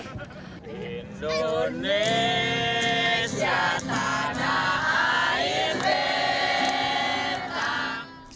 indonesia tanah air betang